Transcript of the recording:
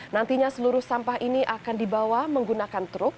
nantinya seluruh sampah ini akan dibawa menggunakan truk